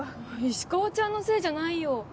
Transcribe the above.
石川ちゃんのせいじゃないよ。